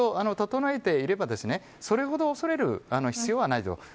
そういうような形を整えていればそれほど恐れる必要はないと。